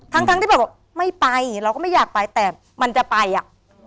ทั้งทั้งที่แบบว่าไม่ไปเราก็ไม่อยากไปแต่มันจะไปอ่ะ